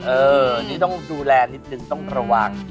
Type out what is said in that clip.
เออนี่ต้องดูแลนิดนึงต้องระวัง